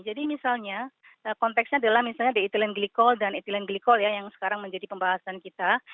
jadi misalnya konteksnya adalah misalnya ada etilen glikol dan etilen glikol yang sekarang menjadi pembahasan kita